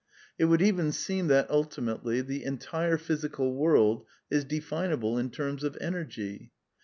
It would even seem that, ultimately, the entire physical world is definable in terms of energy.